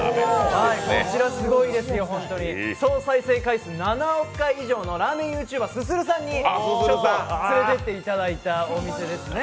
こちらすごいですよ、ホントに総再生回数７億回以上のラーメンＹｏｕＴｕｂｅｒ、すするさんに連れてっていただいたお店ですね。